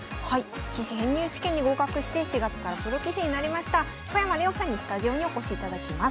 棋士編入試験に合格して４月からプロ棋士になりました小山怜央さんにスタジオにお越しいただきます。